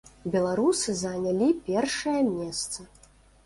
Беларусы занялі першае месца.